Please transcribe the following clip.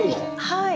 はい。